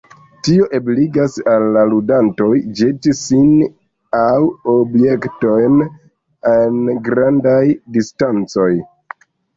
Tio ebligas al la ludanto ĵeti sin aŭ objektojn en grandaj distancoj.